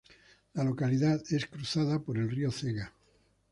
La localidad es cruzada por el río Cega.